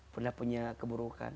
pernah punya keburukan